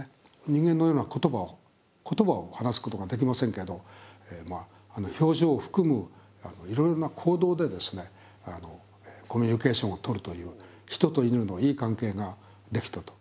人間のような言葉を話すことができませんけど表情を含むいろいろな行動でコミュニケーションをとるという人と犬のいい関係ができたと。